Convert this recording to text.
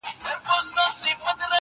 خپروي زړې تيارې پر ځوانو زړونو؛